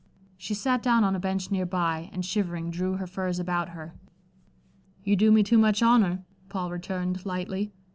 She sat down on a bench near by, and shivering drew her furs about her. "You do me too much honor," Paul returned, lightly.